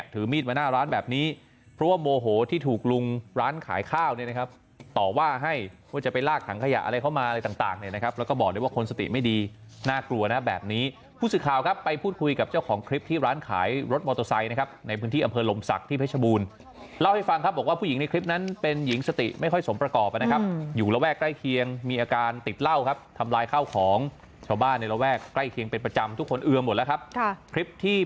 ถือมีดมาหน้าร้านแบบนี้เพราะว่าโมโหที่ถูกลุงร้านขายข้าวเนี่ยนะครับต่อว่าให้ว่าจะไปลากถังขยะอะไรเข้ามาอะไรต่างเนี่ยนะครับแล้วก็บอกเลยว่าคนสติไม่ดีน่ากลัวนะแบบนี้ผู้สื่อข่าวครับไปพูดคุยกับเจ้าของคลิปที่ร้านขายรถมอเตอร์ไซค์นะครับในพื้นที่อำเภอลมศักดิ์ที่พฤชบูรณ์เล่าให้ฟังคร